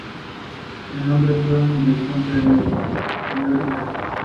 Ataque a toda la línea!